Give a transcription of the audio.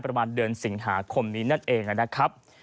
ประมาณเดือนสิงหาคมนี้นั่นเองนะครับ